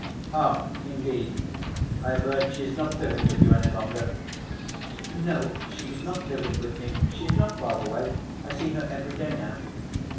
"Ah indeed. I have heard she is not living with you any longer." "No. She is not living with me. She is not far away. I see her every day now."